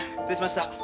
失礼しました。